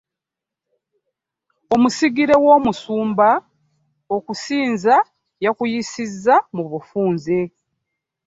Omusigire w'omusumba okusinza yakuyisizza mu bufunze.